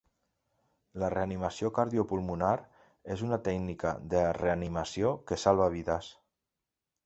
La reanimació cardiopulmonar és una tècnica de reanimació que salva vides.